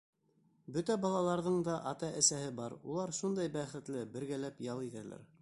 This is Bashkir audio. Бөтә балаларҙың да ата-әсәһе бар, улар шундай бәхетле, бергәләп ял итәләр.